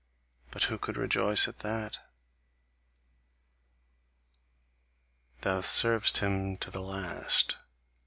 But who could rejoice at that!" "Thou servedst him to the last?"